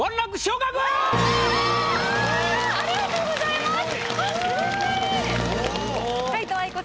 おめでとうございます。